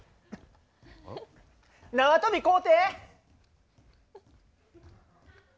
縄跳び買うて。